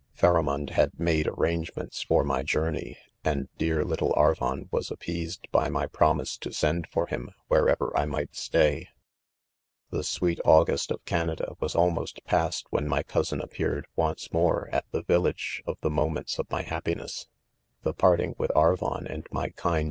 Pharamond'" iiad made arrange ments for my journey, and dear little Arvon was appeased by my promise to send for Mm, wherever I might ; stay* £ Tbe '$weet August of Canada. 'was almost 'passed. when my eousin appeared, once more^ <m,tthe village of the moments ©f my happiness* ■The parting with Arvon and my '.kind